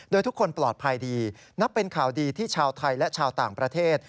โดยทุกคนปลอดภัยดีนับเป็นข่าวดีที่ชาวไทยและชาวต่างประเทศ